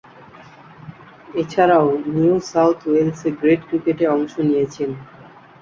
এছাড়াও, New South ওয়েলসে grade ক্রিকেটে অংশ নিয়েছেন।